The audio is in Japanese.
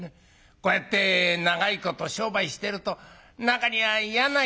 こうやって長いこと商売してると中には嫌な客がいるだろうねなんて。